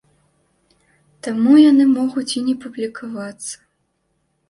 Таму яны могуць і не публікавацца.